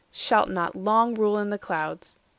shalt not long Rule in the clouds.